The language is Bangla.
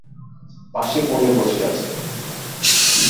পাশে কনে বসে আছে।